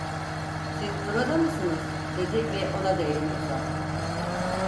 "Siz burada mısınız?" dedi ve ona da elini uzattı.